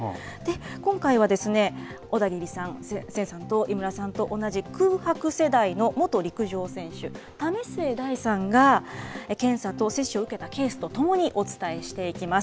今回はですね、小田切さん、千さんと、井村さんと同じ空白世代の元陸上選手、為末大さんが、検査と接種を受けたケースとともに、お伝えしていきます。